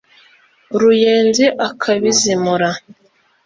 ruyenzi akabizimura